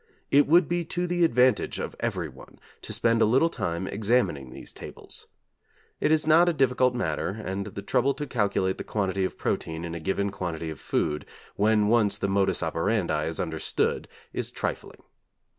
It would be to the advantage of everyone to spend a little time examining these tables. It is not a difficult matter, and the trouble to calculate the quantity of protein in a given quantity of food, when once the modus operandi is understood, is trifling.